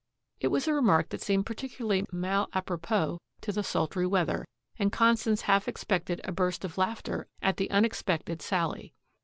It was a remark that seemed particularly malapropos to the sultry weather, and Constance half expected a burst of laughter at the unexpected sally.